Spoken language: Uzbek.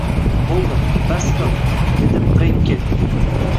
Bo`ldi, bas qil, dedi Brekket